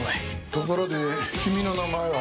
ところで君の名前は？